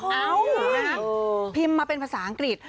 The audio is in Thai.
เอ้านะฮะพิมพ์มาเป็นภาษาอังกฤษ